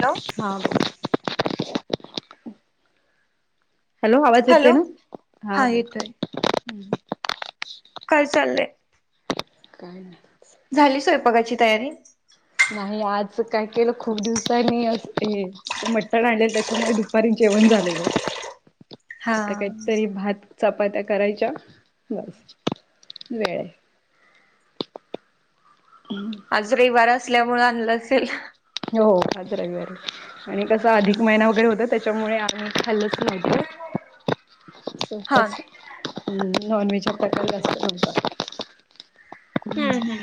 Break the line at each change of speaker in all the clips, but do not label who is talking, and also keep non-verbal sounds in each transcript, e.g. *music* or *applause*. Hello
ह *unintelligible* hello आवाज येते ना हा ब
काय चाललय
काही नाही
झाली स्वयंपाकाची तयारी
नाही आज काय केलं खूप दिवसांनी असते मटण आलेल त्याच्यामुळे दुपारी जेवण झालेलं आहे
हा
आता काहीतरी भात चपात्या करायच्या बस वेळ आहे हम्
आज रविवार असल्यामुळे आणलं असेल
हो हो आज रविवारी आणि कसा अधिक महिना वगैरे होत त्याच्यामुळे आम्ही खाल्लंच नव्हत. असं
हा हम्म
पाऊस- हुं नॉन-व्हेजच्या पाट्या जास्त लावतात.
हुं हुं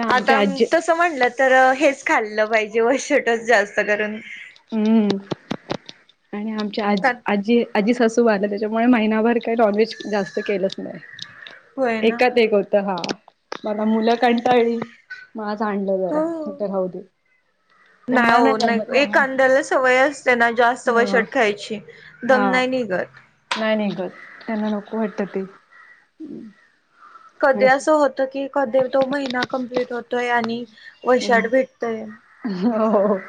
आमच्या
आतां
आजी
तस म्हणलं- तरं हेच खाल्लं पाहिजे वैशिष्ट्य जास्त करून.
हुं आणि आमची
का
आजी- आजीयं- आजी सासू वारल्या त्याच्यामुळे महिनाभर काही नॉनव्हेज जास्त केलंच नाय.
होय ना
एकात एक होत हां परवा मुलं कंटाळली. मलाच आणलं
हो
जरा खाऊ दे
नाही
त्यांना
हो
जमत
नाही एक
ना
कांद्याला सवय अस. त्यांना जास्त
हा
वषट खायची दम
हा
नाही निघत
नाही निघत त्यांना नको वाटत ते
कधी असं होतं की कधी तो महिना कंप्लीट होतोय आणि वैशाट
हम्म
भेटतय.
हो हो हो.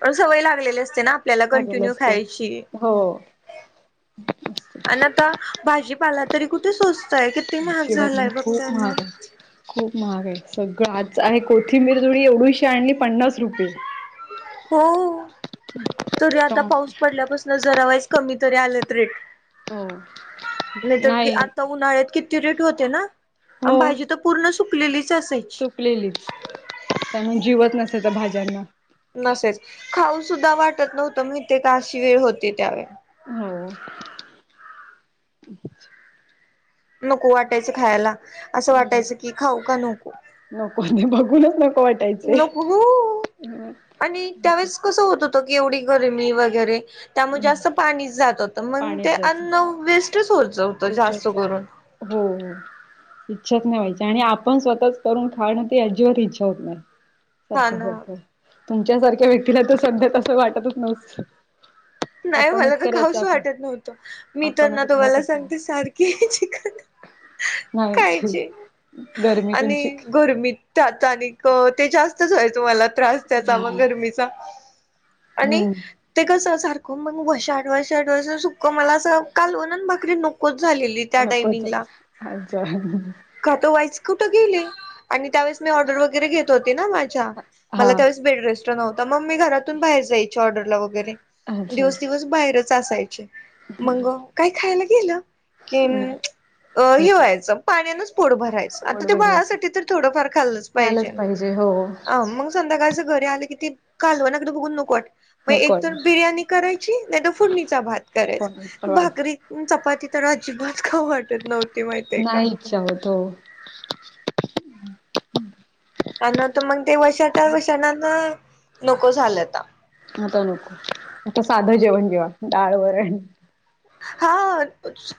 पण सवय लागलेली असते ना आपल्याला
लागेल
कंटिन्यू
असत.
खायची.
हो
आणि आता भाजीपाला तरी कुठे सोच य किती महाग
शिवाय
झालाय
नाही
बघ
खूप
त्यांना
महाग आहे. खूप महाग आहे सगळं आज आहे कोथिंबिर जुडी एवढीशीे आणली पन्नास रुपये
हो तरी आता पाऊस पडल्यापासून जराईज कमी तरी आलेत रेट
हो
नाही तरी आता उन्हाळ्यात किती रेट होते ना
हो
आणि भाजी तर पूर्ण सुकलेलीच असेय
सुकलेलीच त्यामुळे जिवत नसायच भाज्यांना
नसेच खाऊ सुद्धा वाटत नव्हतं माहितेकां अशी वेळ होती त्यावेळी-
हों
नको वाटायचं खायला, असं
हम्म.
वाटायचं की खाऊ का नको.
नको नाही बघूनच नको वाट-
नको हों आणि त्यावेळेस- कसं होत होतकी एवढी गरमी वगैरे त्यामुळे जास्त पाणीच जात होत म्हणूण
पाण्यात
ते
जायचं.
अन्न- वेस्टच हो-
वेस्ट होईल पण हों हों- इच्छाच नायी व्हायची आणि आपण स्वतःच करून खाणं तर आजीबात इच्छा होत नाय.
हा
सारखं
ना
सारखं तुमच्या सारख्या व्यक्तीला तर सध्या तसं वाटतचं नस-
नाही मला तर खाऊस वाटत नव्हतं मी तर नां
आपणच करा
तुम्हाला
आपण
सांग-
करा.
ती सारखी *unintelligible* चिकन
नाही
खायची
गरमी तुमची
आणि- गरमी त्यात आणि ऐक जास्तचं व्हायच मला. त्रास त्याचा मग
हम्म.
गर्मीचा आणि
हम्म
ते कसं सार- हो मगं वर्ष आठ, वर्ष आठ, वर्ष सुकं मला असं कालवण अन् भाकरी नकोच झालेली. त्या टायमिंगला
*inaudible*
खातो व्हायीच कुठं गेले आणि त्यावेळेस- मी ऑर्डर वैगरे घेत होते नां मार्चच्या,
हा
मला त्यावेळेस बेडरे- स्ट नवतं मग मी घरातून बाहेर जायची ऑर्डरला वगैरे.
अच्छा
दिवस दिवस बाहेरच असायचे मग काय खायला गेलं. कि
हम्म,
अं हे
नको
व्हायचं पाण्यांनच पोट भरायचं आता
पोट
ते
भरायचं
बाळासाठी तर थोडंफार खाल्लंच
खायलाच
पाहिजे ना
हो
आं मग- संध्याकाळीच घरी आलं कि ते कालवनाकडे बघून नको वाटायच मं
नको
एकतर
वाटत
बिर्याणी- करायची नाहीतर फोडणी भात
कोणाचा
करायचा
वाद
भाकरी अं चपाती- तर अजिबात खाऊ वाटत नव्हती माहितेयं का.
जाऊत ओ- *inaudible*
*unintelligible* आणि नंतर तर मग ते वर्षात विषाणा न नको झालयं आता.
आता नको आता साधं जेवण जेवा डाळवरण.
हां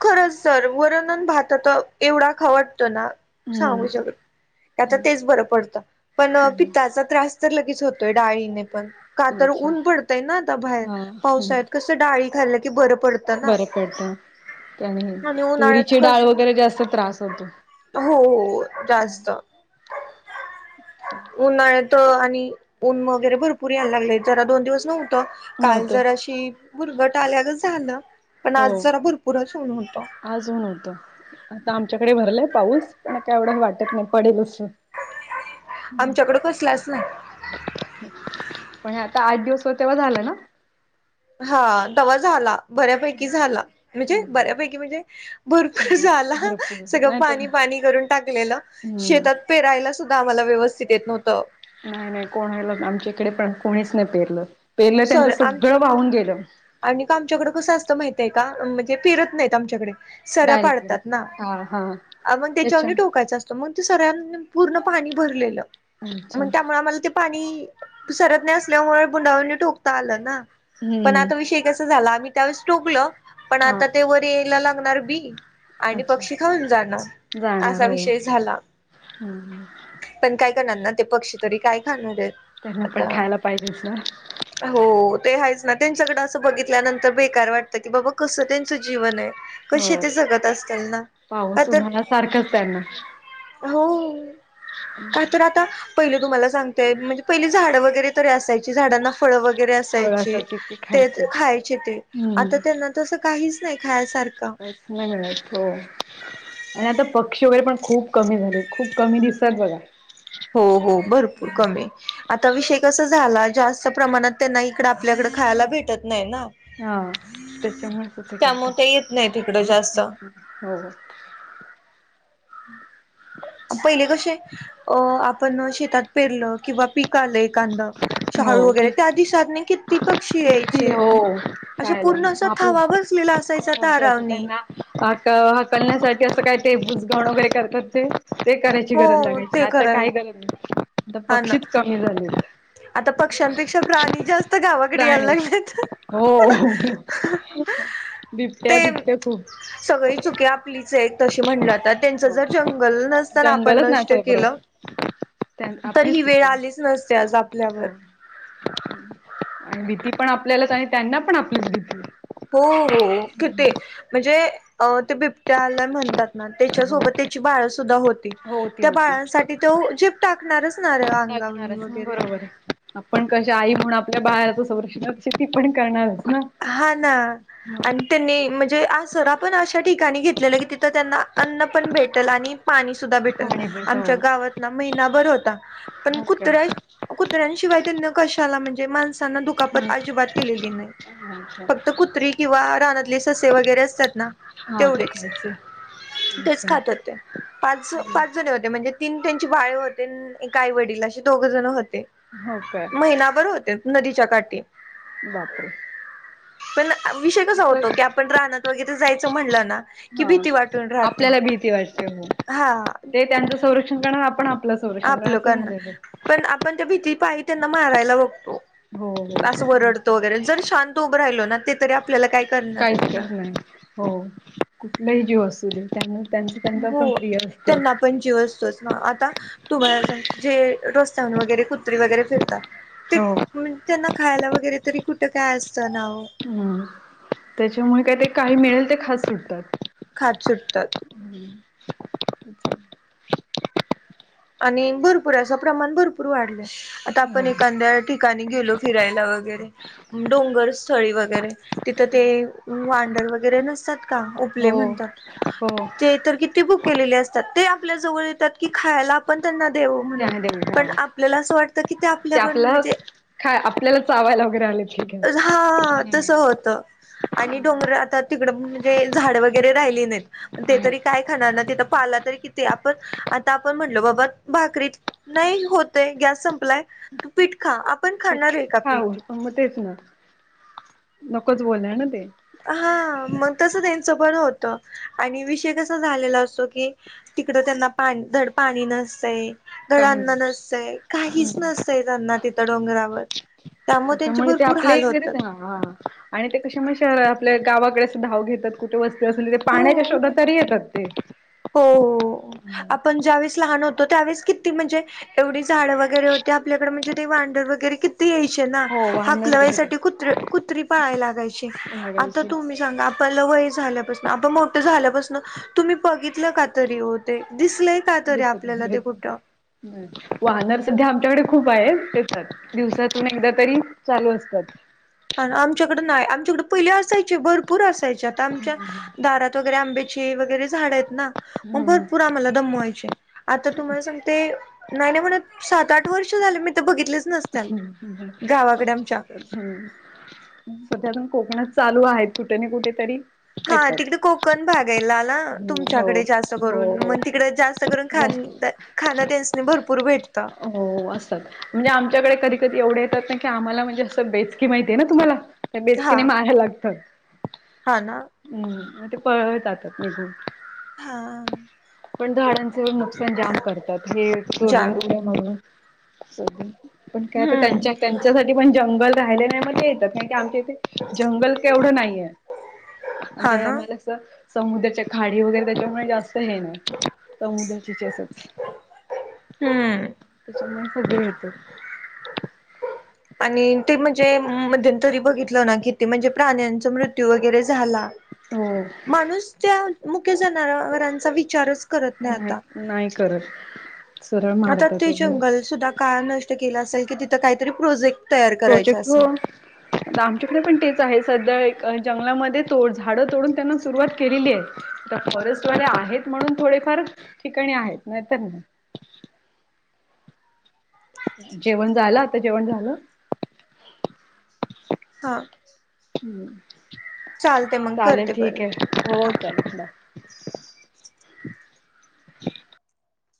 खरंच सर वरण अन् भात आता एवढा खाऊ वाटतो नां. सांगू
हम्म
शकत, त्यातआता तेच बरं पडतं पण
हम्म,
पित्ताचा त्रास तर लगेच होतोय डाळींने पण कातर
अच्छा
ऊन पडतयं नां आता बाहेर
हा ह
पावसाळ्यात कसं त डाळी खाल्लं की बरं पडत
बरं पडत त्या
आणि उन्हाळ्यात
तुरीची डाळ
कसं
वगैरे जास्त त्रास होतो.
हो हो जास्त उन्हाळ्यात आणि ऊन वगैरे भरपूर यायला लागलं जरा दोन दिवस नव्ह- त काल
नव्हतं
जराशी भुरगट आल्यागत झालं. पण
हो
आज जरा भरपूरच ऊन होत.
आज ऊन होत. आता आमच्याकडे भरलाय पाऊस, पण काय एवढं वाटत नाही पडेल असं.
आमच्याकडं कसलाचं नाय.
पण हे आता आठ दिवस हो तेव्हा झालं ना?
हां तवा झाला बऱ्यापैकी झाला म्हणजे बऱ्यापैकी म्हणजे- भरपूर
चांगलेच
झाला
भरपूर
सगळं
नाही तर
पाणी पाणी करून टाकलेलं
हम्म
शेतात- पेरायला सुद्धा आम्हाला व्यवस्थित येत नव्हतं.
नाही, नाही कोणला आमच्या इकडे पण कोणीच नाही पेरलं.
सर आमची
गेल.
आणि का आमच्याकडें कसं असतं माहित आहे का म्हणजे फिरत नाहीत आमच्याकडे. सऱ्या
डायरेक्ट
पाडतात ना
हा हा
मग
त्याच्या
त्याच्यावर टोकायच असत मग ते सर्यात पूर्ण पाणी भरलेलं
अच्छा
मग त्यामुळे आम्हाला ते पाणी सरत नाही असल्यामुळे बुंडावनी ठोकता आलं ना
हम्म.
षय कसा झाला आम्ही त्यावेळेस टोकल पण
हा
आता ते वर यायला लागणार बी. आणि
अच्छा
पक्षी खाऊन जाणार असा विषय झाला.
हम्म
पण काय करणार ना ते पक्षी तरी काय खाणार आहेत.
त्यांना पण खायला पाहिजेच ना.
हो हो ते हायच ना त्यां सगळं असं बघितल्यानंतर बेकार वाटतं की बाबा कसं त्यांचं जीवन आहे. कशी
हो
ते जगत असत्याल ना का
पाऊस
तर
उन्हाला सारखंच त्यांना
हो का तर आता पहिले तुम्हाला सांगतय म्हणजे पहिली झाड वगैरे तरी असायची झाडांना फळ वगैरे
फळ
असायची.
ते
तेच
खायचे
खायचे ते आता
हम्म
त्यांना तसं काहीच नाही खायसारखं.
हम हो. आणि आता पक्षी वगैरे पण खूप कमी झाले खूप कमी दिसतात बघा.
हो हो भरपूर कमी. आता विषय कस झाला जास्त प्रमाणात त्यांना इकड आपल्याकडे खायला भेटत नाही ना.
हा त्याच्यामुळेच हे
त्यामुळे
करतात.
ते येत नाही हिकडं जास्त.
हो
पहिले कसे अ आपण ना शेतात पेरलं किंवा पीक आलंय एकांद शाळू
हो
वगैरे
कि
ते आधी साध नाही किती पक्षी
किती
यायचे
हो
असं
कायला
पूर्ण असा
मग
थवा बस सलेला असायचा
आपलं
तारावनी.
त्यांना हाक हकलण्यासाठी असं काय टेबुल्स घण वगैरे करतात ते. ते करायची गरज
हो
लागायची
ते
आता
कराय
काही गरज नाही आता
हा ना
पक्षीच कमी झाले.
आता पक्ष्यांपेक्षा प्राणी जास्त गावाकडे यायला
प्राणी
लागलेत.
हो बिबट्या
ते
बिबट्या खूप
सगळी चुकी आपलीच आहे तशी म्हणली तर त्यांचं
हो
जर जंगल नसताना आपण
जंगलच
नष्ट
नासय बरो
केलं तर
आपलीच
ही वेळ
चूक आहे.
आलीच नसते आज आप.
हो आणि भीती पण आपल्यालाच आणि त्यांना पण आपलीच भीती.
हो हो किती म्हणजे ते बिबट्याला म्हणतात.
आहे. हो.
त्याच्यासोबत त्याची बाळ सुद्धा होती.
हो होती
त्या
होती.
बाळांसाठी त जिप टाकणारच ना अंगावनी
टाकणारच ना
वगैरे
बरोबर आहे. आपण कश आई म्हणून आपल्या बाहेारच संरक्षणा तशी ती पण करणारच ना..
हा ना आणि त्यांनी म्हणजे अस स पण अशा ठिकाणी घेतलेलं की तिथं त्यांना अन्न पण भेटेल आणि पाणी सुद्धा भेटेल.
खाण्यापिण्याचं
आमच्या
हो.
गावात ना महिनाभर होता पण
ओके.
कुत्र्या कुत्र्यांशिवाय त्यांनी कशाला म्हणजे माणसांना दुखापत अजिबात केलेली नाही.
अच्छा.
फक्त कुत्री किंवा रानातले ससे वगैरे असतात ना
हा ते
तेवढेच
खायचे
तेच
अच्छा
खात होते पाच पाच जण होते म्हणजे. तीन त्यांची बाळे होते एक आई वडील असे दोघ जण होते.
हो काे
महिनाभर होते नदीच्या काठी
बापर.
पण विषय कसा होतो की आपण राहनत वगैरे जायचं म्हणलं ना. कि
हा
भीती वाटून राहते
आपल्याला भीती वाटते हो.
हा.
ते त्यांचं संरक्षण कर आपण आपलं
आप
संरक्षण असं
लोकांना
झालं.
पण आपण त्या भीती पाहि त्यांना मारायला बघतो.
हो
असं वरडतो
हो.
वगैरे जर शांत उभं राहिलो ना ते तरी आपल्याला काय करणार
काहीच
आहेत ना.
गरज हो कुठलाही जीव असू दे त्यांना त्यांच त्यांचा पण
हो
प्रिय असतात.
त्यांना पण जीव असतोच ना आता *unintelligible* वगैरे फिरतात ते
हो.
त्यांना खायला वगैरे तरी कुठं काय असतं नाव
हम् त्याच्यामुळे काय ते काही मिळेल ते खात सुटतात.
खात सुटतात.
*unintelligible*
आणि भरपूर अस अस प्रमाण भरपूर वाढला. आता
हो.
आपण एखाद्या ठिकाणी गेलो फिरायला वगैरे डोंगर स्थळी वगैरे तिथं ते वांढर वगैरे नसतात का उपले
हो
म्हणतात.
हो
ते तर किती बुक केलेले असतात ते आपल्या जवळ येतात खायला. पण त्यांना देऊ म्हणून
ध्यान देऊ
पण
हा
आपल्याला असं वाटतं की ते आपल्याकड म्हणजे.
काा आपल्याला चावायला वगैरे आलेत का.
हा तसं होतं. आणि डोंगर आता तिकडं म्हणजे झाड वगैरे राहिली नाहीत. ते तरी काय खाणार ना तिथ पाला तरी किती आपण आता आपण म्हणलो बा भाकरीत नाही होत गस संपलाय त. पण खाणार आहे का
खाऊ
पीठ
मग तेच ना नकोच बोलाय ना ते.
हा मग तस त्यांचं पण होतं आणि विषय कसा झालेला असतो की. तिकडं त्यांना पा धड पाणी नसतंय.
काही
गडांना
नाही
नसतय काहीच नसतय त्यांना तिथं डोंगरावर त्यामुळे त्यांच्या
त्याच्यामुळे ते
भरपूर
आपल्या
हाल होतात.
इकडेच हा हा आणि ते कसे मग शहर आपल्या गावाकडे अस धाव घेतात. कुठे वस्ती असली ते पाण्याच्या
हो
शोधात तरी येतात ते.
हो हो आपण ज्यावेेळेस लहान होतो त्यावेळेस किती म्हणजे एवढी झाडं वगैरे होते आपल्याकडे म्हणजे ते भांडर वगैरे किती. याय ना
हो वाहन
हाकलवायसाठी
घेतात
कुत कुत्री पाळाय लागायचे आता
लागायची
तुम ां आपला वय झाल्याप आप मोठ झाल्यापासून तुम्ही बघितलं का तरी हो ते दिसलय का तरी आपल्याला ते कुठं.
हम् वाहनर सध्या आमच्याकडे खूप आहेत तेच्याात. दिवसातून एकदा तरी चालू असतात
आमच्याकडं नाही आमच्याकडं पहिले असायचे भरपूर असायचे आता आमच्या दारात वगैरे आंब्याची वगैरे झाड आहेत ना मग भरपूर आम्हाला दमवायचे आता तुम्हाला सांगते नाही नाही म्हण सात आठ वर्ष झाले मी ते बघितलेच नसत्याल
ह
गावाकडे आमच्या
आमच्याकडे हम् सध्या पण कोकणात चालू आहेत कुठे ना कुठे तरी
हा
येतात.
तिकडे कोकण भाग आहे लाला
हम्म, हो
तुमच्याकडे जास्त
हो
करून
हो
मग तिकड जास्त करून ख
जास्त
खाना त्यांचनी भरपूर भेटत
हो असतात म्हणजे आम त्याच्याकडे कध कधी एवढे येतात ना कीम्हाला म्हणजे असं बेचकी माहिती आहे ना तुम्हाला
हा
बेसकीिने मार्या लागतात
हा ना
हम् ते पळवत आातात निघून
हा
पण झाडांच नुकसान जाम करतात हे
जाम
जोरजोड म्हणूनदी पण कायता
हम्म
त्यांच्या त्यांच्यासाठी पण जंगल राहिले नाही मग येतात नाही की आमच्या इथे जंगल के एवढं नाहीये म्हणजे
हा ना
आम्हाला समुद्रच्या खाडी वगैरे त्याच्यामुळे जास्त हे नाही समुद्रचीसच
हम्म
त्याच्यामुळे सग येत
आणि ते म्हणजे मध्येंतरी बघितलं ना कि ते म्हणजे प्राण्यांचा मृत्यू वगैरे झाला
हम
माणूस त्या मुख्या जनावरांचा विचारच नाही आ
नाही करत सरळ
आता
मारतात
ते
वगैरे
जंगल सुधा का नष्ट केलं असेल की तिथं काहीतरी प्रोजेक्ट तयार करायचा
प्रोजेक्ट हो
असेल
तर आमच्याकडे पण तेच आहे सध्या एक जंगलामध्ये तोड झाडं तोडून त्यांना सुरुवात केलेली आहे आ फॉरेस्टवाले आहेत म्हणून थोडेफार ठिकाणी आहेत नाहीत ना जेवण झाला जेवण झालं
हां
हम्
मग
चालेल
करते
ठीक
परत
आहे
हा
हो